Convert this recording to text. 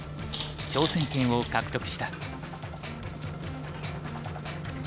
挑戦権を獲得した。